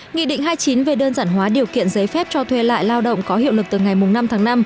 nghị định hai mươi chín về đơn giản hóa điều kiện giấy phép cho thuê lại lao động có hiệu lực từ ngày năm tháng năm